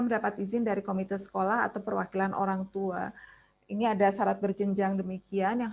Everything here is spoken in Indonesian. mendapat izin dari komite sekolah atau perwakilan orang tua ini ada syarat berjenjang demikian yang